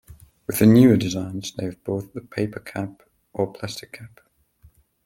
With the newer designs they have both the paper cap or plastic cap.